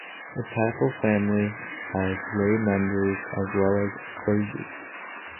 The Papal Family has lay members as well as clergy.